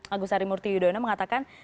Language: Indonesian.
agus arimurti yudhoyono mengatakan